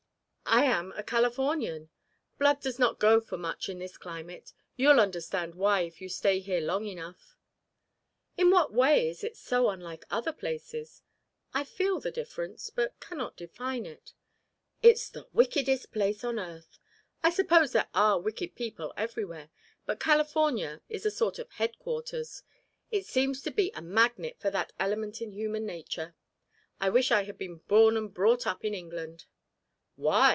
"I am a Californian. Blood does not go for much in this climate. You'll understand why, if you stay here long enough." "In what way is it so unlike other places? I feel the difference, but cannot define it." "It's the wickedest place on earth! I suppose there are wicked people everywhere, but California is a sort of headquarters. It seems to be a magnet for that element in human nature. I wish I had been born and brought up in England." "Why?"